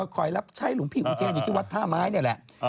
คอยรับใช้หลวงพี่อุเทนอยู่ที่วัดท่าไม้นี่แหละ